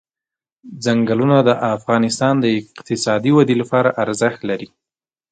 ځنګلونه د افغانستان د اقتصادي ودې لپاره ارزښت لري.